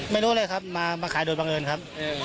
ไม่รู้เลยครับมาขายโดยบังเอิญครับ